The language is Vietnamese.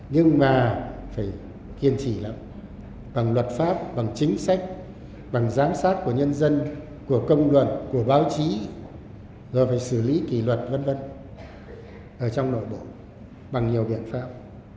nhưng mà phải kiên trì lắm bằng luật pháp bằng chính sách bằng giám sát của nhân dân của công luận của báo chí rồi phải xử lý kỷ luật v v trong nội bộ bằng nhiều biện pháp